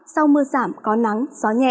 sau mưa giảm có nắng gió nhẹ